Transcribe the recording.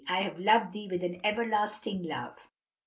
'I have loved thee with an everlasting love.'"